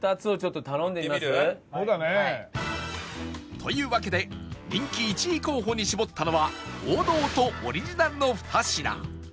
というわけで人気１位候補に絞ったのは王道とオリジナルの２品